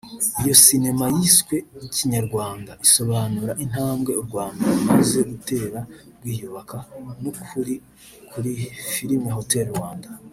Iyo sinema yiswe “Kinyarwanda” isobanura intambwe u Rwanda rumaze gutera rwiyubaka n’ukuri kuri Filimi Hotel Rwanda